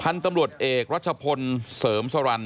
พันธุ์ตำรวจเอกรัชพลเสริมสรัน